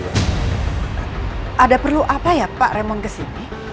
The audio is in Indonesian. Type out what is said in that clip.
ada perlu apa ya pak remond kesini